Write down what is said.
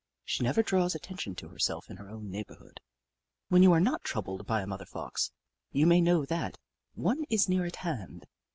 She never draws attention to herself in her own neighbourhood. When you are not troubled by a mother Fox, you may know that one is near at hand.